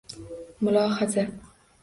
Mulohaza